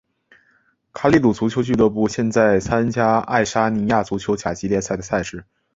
卡里鲁足球俱乐部现在参加爱沙尼亚足球甲级联赛的赛事。